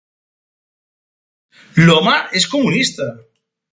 L'home és comunista!